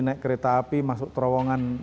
naik kereta api masuk terowongan